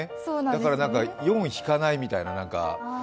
だから４を引かないみたいな、何か。